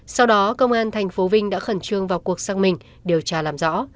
sau đó công an thành phố vinh đã khẩn trương vào cuộc xác minh điều tra làm rõ